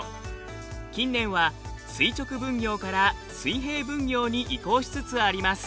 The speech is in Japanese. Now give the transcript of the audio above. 近年は垂直分業から水平分業に移行しつつあります。